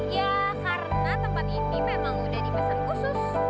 ya karena tempat ini memang udah dipesan khusus